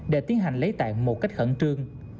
để tiến hành lấy tạng một cách khẩn trương